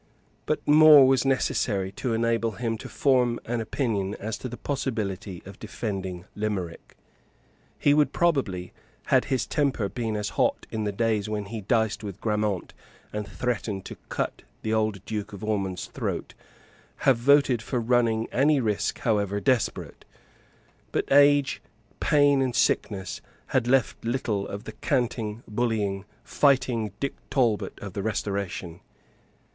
But more was necessary to enable him to form an opinion as to the possibility of defending Limerick. He would probably, had his temper been as hot as in the days when he diced with Grammont and threatened to cut the old Duke of Ormond's throat, have voted for running any risk however desperate. But age, pain and sickness had left little of the canting, bullying, fighting Dick Talbot of the Restoration.